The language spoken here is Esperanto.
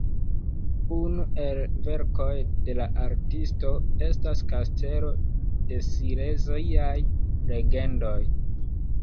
Unu el verkoj de la artisto estas Kastelo de Sileziaj Legendoj.